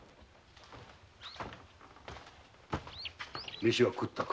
メシは食ったか？